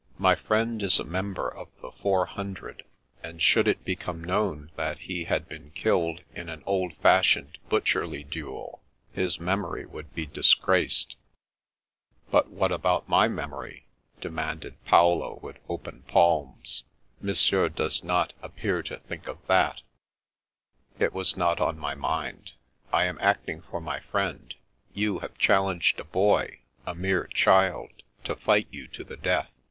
My friend is a member of the Four Hundred, and An American Custom 255 should it become known that he had been killed in an old f ashioned^ butcherly duel, his memory would be disgraced/' "But what about my memory?" demanded Paolo, with open palms. " Monsieur does not ap pear to think of that" " It was not on my mind. I am acting for my friend. You have challenged a boy, a mere child, to fight you to the death.